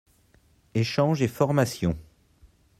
Echange et formation.